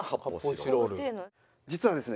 実はですね